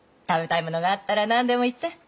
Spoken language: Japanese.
食べたいものがあったら何でも言って。